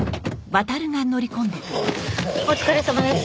お疲れさまです。